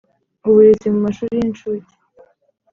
uburezi mu mashuri y incuke